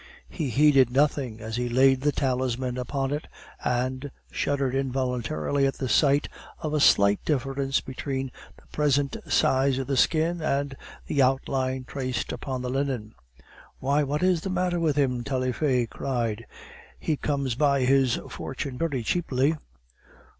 He heeded nothing as he laid the talisman upon it, and shuddered involuntarily at the sight of a slight difference between the present size of the skin and the outline traced upon the linen. "Why, what is the matter with him?" Taillefer cried. "He comes by his fortune very cheaply."